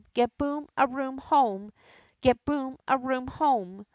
Get Boom a Room home ! Get Boom a Room home